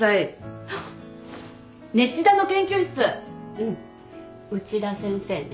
うん内田先生ね。